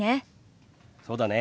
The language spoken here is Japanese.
そうだね。